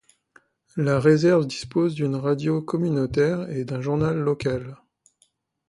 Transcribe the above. La réserve dispose d'une radio communautaire et d'un journal local.